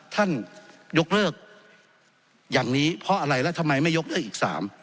ท่านยกเลิกอย่างนี้เพราะอะไรแล้วทำไมไม่ยกเลิกอีก๓